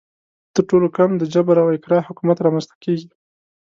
تر ټولو کم د جبر او اکراه حکومت رامنځته کیږي.